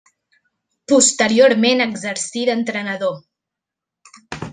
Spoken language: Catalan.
Posteriorment exercí d'entrenador.